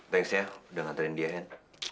thanks ya udah ngantarin dia hen